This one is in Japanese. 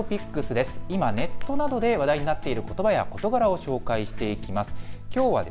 今、ネットなどで話題になっていることばや事柄を紹介していきます。